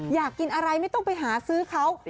อยากกินอะไรไม่ต้องไปหาซื้อเขา